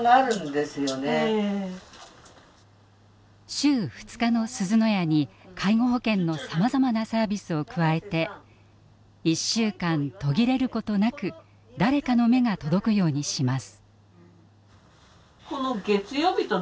週２日のすずの家に介護保険のさまざまなサービスを加えて１週間途切れることなく誰かの目が届くようにします。